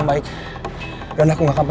enggak aku bilang udah udah